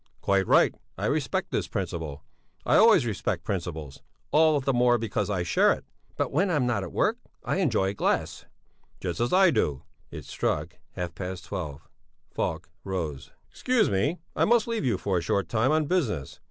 "Quite right! I respect this principle I always respect principles all the more because I share it." "But when I'm not at work, I enjoy a glass." "Just as I do." It struck half past twelve. Falk rose. "Excuse me, I must leave you for a short time, on business.